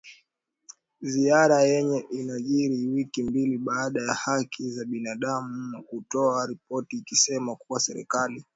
Ziara yake inajiri wiki mbili baada ya haki za binadamu kutoa ripoti ikisema kuwa serikali